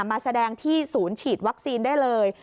มาแสดงที่ศูนย์ฉีดวัคซีนได้เลย